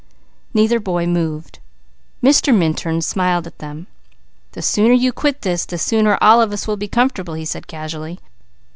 Neither boy moved. Mr. Minturn smiled at them. "The sooner you quit this, the sooner all of us will be comfortable," he said casually.